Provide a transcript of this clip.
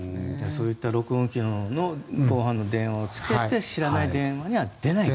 そういった録音機能の電話をつけて知らない電話には出ない。